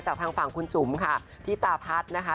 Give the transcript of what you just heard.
ทางฝั่งคุณจุ๋มค่ะที่ตาพัฒน์นะคะ